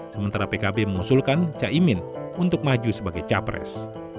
sementara pkb mengusulkan caimin untuk maju sebagai capres